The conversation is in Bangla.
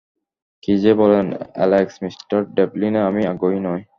কি যে বলেন, অ্যালেক্স, মিঃ ডেভলিনে আমি আগ্রহী নই।